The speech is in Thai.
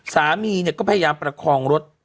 สามีก็พยายามประคองรถ